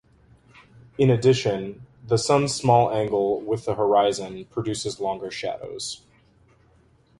In addition, the sun's small angle with the horizon produces longer shadows.